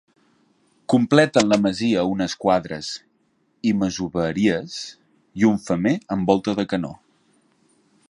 Completen la masia unes quadres i masoveries, i un femer amb volta de canó.